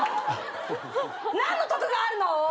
何の得があるの！？